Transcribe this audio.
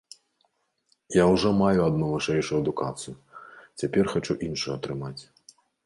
Я ўжо маю адну вышэйшую адукацыю, цяпер хачу іншую атрымаць.